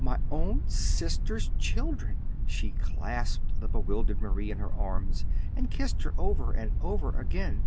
My own sister's children!" She clasped the bewildered Marie in her arms and kissed her over and over again.